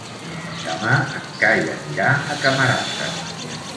Demà en Cai anirà a Camarasa.